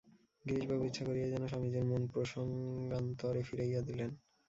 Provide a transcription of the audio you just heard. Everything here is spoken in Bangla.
গিরিশবাবু ইচ্ছা করিয়াই যেন স্বামীজীর মন প্রসঙ্গান্তরে ফিরাইয়া দিলেন।